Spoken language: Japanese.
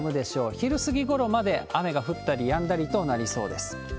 昼過ぎごろまで雨が降ったりやんだりとなりそうです。